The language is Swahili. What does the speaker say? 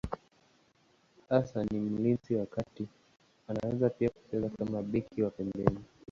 Hasa ni mlinzi wa kati, anaweza pia kucheza kama beki wa pembeni.